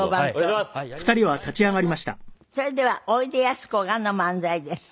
それではおいでやすこがの漫才です。